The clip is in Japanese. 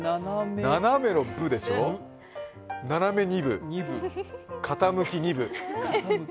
斜めの「ぶ」でしょ、斜めにぶ、傾きにぶ。